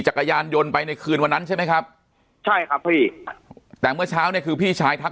จักรยานยนต์ไปในคืนวันนั้นใช่ไหมครับใช่ครับพี่แต่เมื่อเช้าเนี่ยคือพี่ชายทัก